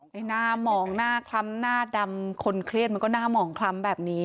หน้าหมองหน้าคล้ำหน้าดำคนเครียดมันก็หน้าหมองคล้ำแบบนี้